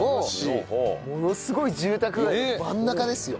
ものすごい住宅街の真ん中ですよ。